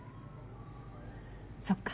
そっか。